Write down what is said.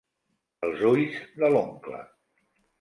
Els ulls de l'oncle.